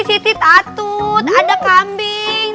siti tatut ada kambing